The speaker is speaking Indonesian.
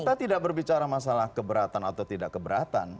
kita tidak berbicara masalah keberatan atau tidak keberatan